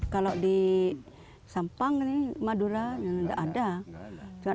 kalau di sampang ini madura tidak ada